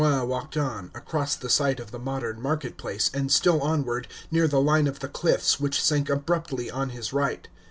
Thence Le Jeune walked on, across the site of the modern market place, and still onward, near the line of the cliffs which sank abruptly on his right.